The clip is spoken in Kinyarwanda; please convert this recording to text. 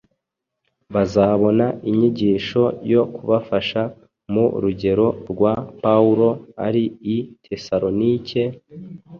bazabona inyigisho yo kubafasha mu rugero rwa Pawulo ari i Tesalonike,